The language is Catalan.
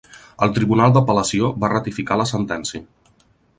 El tribunal d'apel·lació va ratificar la sentència.